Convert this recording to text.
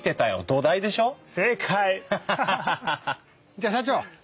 じゃ社長！